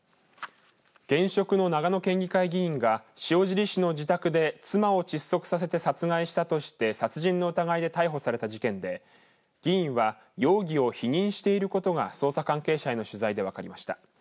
現職の長野県議会議員が塩尻市の自宅で妻を窒息させて殺害したとして殺人の疑いで逮捕された事件で議員は容疑を否認していることが捜査関係者への取材で分かりました。